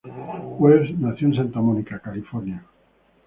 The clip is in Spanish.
Welles nació en Santa Mónica, California.